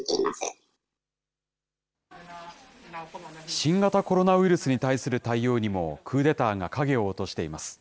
新型コロナウイルスに対する対応にも、クーデターが影を落としています。